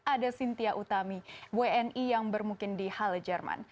ada cynthia utami wni yang bermukin di halle jerman